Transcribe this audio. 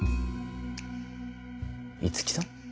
五木さん？